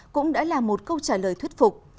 cũng đã là một câu trả lời thuyết phục